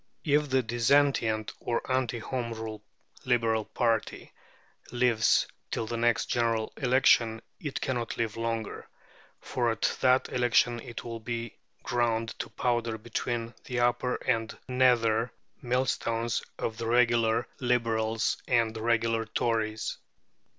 If the dissentient, or anti Home Rule, Liberal party lives till the next general election, it cannot live longer, for at that election it will be ground to powder between the upper and nether millstones of the regular Liberals and the regular Tories.